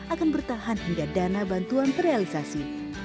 akan bertahan hingga dana bantuan terrealisasi